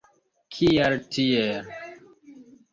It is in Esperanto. Kial tiel?